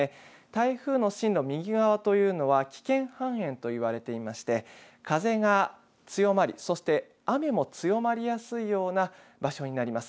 台風の進路右側というのは危険半円と言われていまして風が強まる、そして雨も強まりやすいような場所になります。